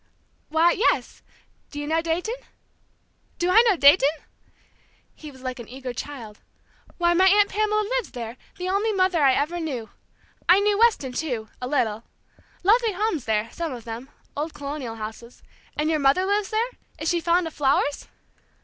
"Why, yes! Do you know Dayton?" "Do I know Dayton?" He was like an eager child. "Why, my Aunt Pamela lives there; the only mother I ever knew! I knew Weston, too, a little. Lovely homes there, some of them, old colonial houses. And your mother lives there? Is she fond of flowers?"